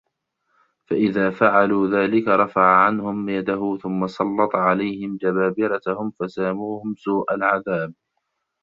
فَإِذَا فَعَلُوا ذَلِكَ رَفَعَ عَنْهُمْ يَدَهُ ثُمَّ سَلَّطَ عَلَيْهِمْ جَبَابِرَتَهُمْ فَسَامُوهُمْ سُوءَ الْعَذَابِ